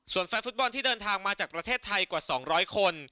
ส่วนแฟนฟุตบอลที่เดินทางมาจากประเทศไทยกว่า๒๐๐คน